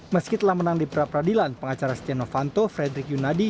meski telah menang di pra peradilan pengacara setia novanto frederick yunadi